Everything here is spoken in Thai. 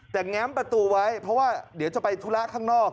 แต่แง้มประตูไว้เพราะว่าเดี๋ยวจะไปธุระข้างนอก